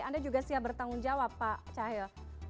anda juga siap bertanggung jawab pak cahyo